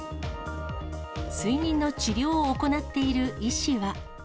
睡眠の治療を行っている医師は。